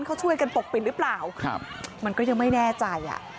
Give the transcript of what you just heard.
เขาช่วยกันปกปิดหรือเปล่าครับมันก็ยังไม่แน่ใจอ่ะ